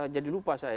jadi lupa saya